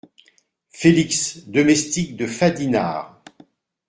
Félix , domestique de Fadinard.